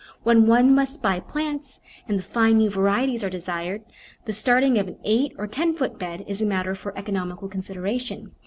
When one must buy plants and the fine new varieties are desired, the starting of an eight or ten foot bed is a matter for economical consideration.